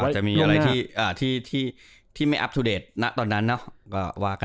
จะมีอะไรที่ไม่อัพทุเดตณตอนนั้นเนาะ